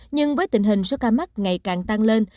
nhưng với tình hình số ca mắc ngày càng tăng lên